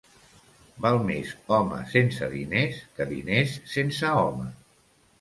Val més home sense diners que diners sense home.